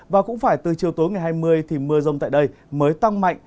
và cũng phải từ chiều tối ngày hai mươi thì mưa rông tại đây mới tăng mạnh